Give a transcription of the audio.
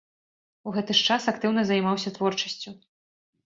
У гэты ж час актыўна займаўся творчасцю.